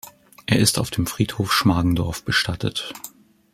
Er ist auf dem Friedhof Schmargendorf bestattet.